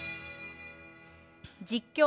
「実況！